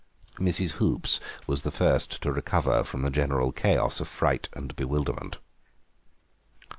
Mrs. Hoops was the first to recover from the general chaos of fright and bewilderment.